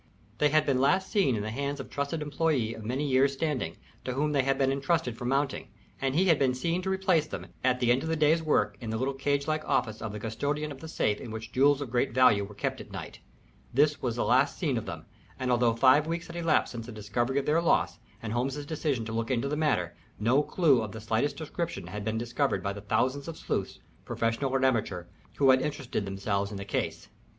They had been last seen in the hands of a trusted employé of many years' standing, to whom they had been intrusted for mounting, and he had been seen to replace them, at the end of the day's work, in the little cage like office of the custodian of the safe in which jewels of great value were kept at night. This was the last seen of them, and although five weeks had elapsed since the discovery of their loss and Holmes's decision to look into the matter, no clew of the slightest description had been discovered by the thousands of sleuths, professional or amateur, who had interested themselves in the case.